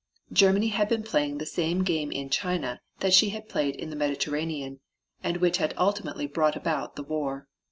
Germany had been playing the same game in China that she had played in the Mediterranean and which had ultimately brought about the war.